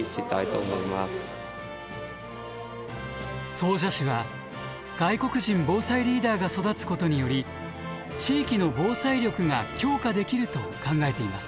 総社市は外国人防災リーダーが育つことにより地域の防災力が強化できると考えています。